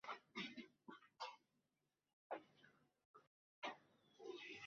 وَاسْتَفْتَحُوا وَخَابَ كُلُّ جَبَّارٍ عَنِيدٍ